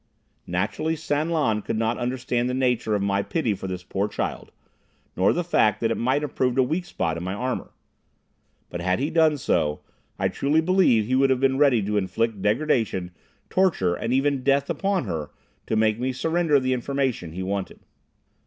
Naturally San Lan could not understand the nature of my pity for this poor child, nor the fact that it might have proved a weak spot in my armor. But had he done so, I truly believe he would have been ready to inflict degradation, torture and even death upon her, to make me surrender the information he wanted.